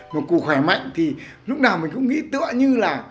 mà cụ khỏe mạnh thì lúc nào mình cũng nghĩ tựa như là